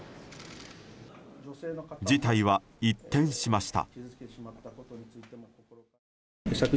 事態は一転しました。